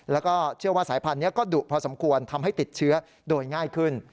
แล้วก็เชื่อว่าสายพันธุ์นี้ก็ดุพอสมควรทำให้ติดเชื้อโดยง่ายขึ้น